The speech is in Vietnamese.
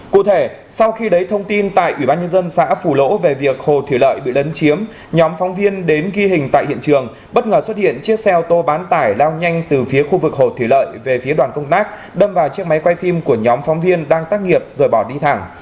cụ thể sau khi lấy thông tin tại ủy ban nhân dân xã phù lỗ về việc hồ thủy lợi bị lấn chiếm nhóm phóng viên đến ghi hình tại hiện trường bất ngờ xuất hiện chiếc xe ô tô bán tải lao nhanh từ phía khu vực hồ thủy lợi về phía đoàn công tác đâm vào chiếc máy quay phim của nhóm phóng viên đang tác nghiệp rồi bỏ đi thẳng